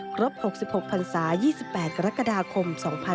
กรบ๖๖พันศา๒๘กรกฎาคม